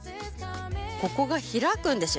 ここが開くんですよ